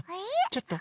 ちょっと。